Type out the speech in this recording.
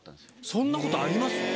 そんなことあります？